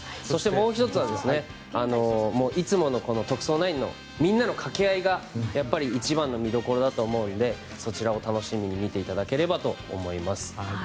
そしてもう１つはいつもの「特捜９」のみんなの掛け合いがやっぱり一番の見どころだと思うのでそちらを楽しみに見ていただければと思います。